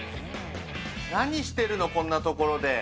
何してるの、こんな所で。